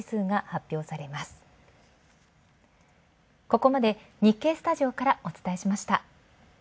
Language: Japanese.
ここまで、日経スタジオからお伝えしました。